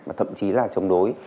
và thậm chí là chống đối